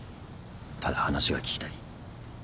ただ話が聞きたい。